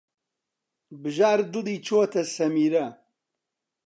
بژار دڵی چووەتە سەمیرە.